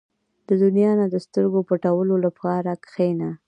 • د دنیا نه د سترګو پټولو لپاره کښېنه.